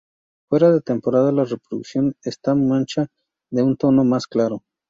Fuera de la temporada de reproducción esta mancha es de un tono más claro.